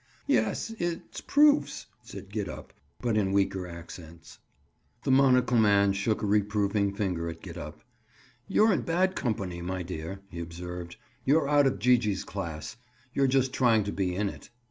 "Yes, it's proofs," said Gid up, but in weaker accents. The monocle man shook a reproving finger at Gid up. "You're in bad company, my dear," he observed. "You're out of Gee gee's class. You're just trying to be in it."